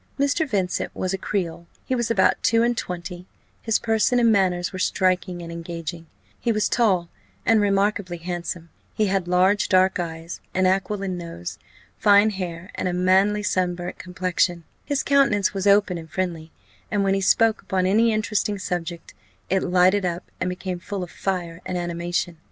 Mr. Vincent was a creole; he was about two and twenty: his person and manners were striking and engaging; he was tall, and remarkably handsome; he had large dark eyes, an aquiline nose, fine hair, and a manly sunburnt complexion; his countenance was open and friendly, and when he spoke upon any interesting subject, it lighted up, and became full of fire and animation.